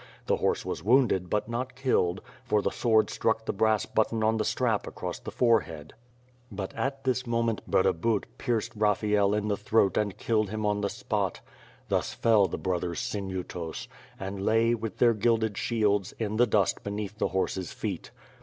The horse was wounded but not killed, for the sword struck the brass button on the strap across the forehead. • But at this moment Burdabut pierced Raphael in the throat and killed him on the spot. Thus fell the brothers Sinyutos, and lay, with their gilded shields, in the dust l)e neath the horses' feet.